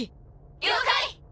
了解！